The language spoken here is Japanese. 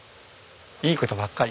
いい事ばっかり。